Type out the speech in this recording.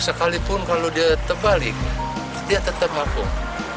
sekalipun kalau dia terbalik dia tetap mapung